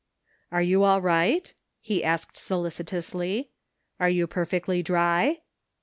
"Are you all right? " he asked solicitously. "Are you perfectly dry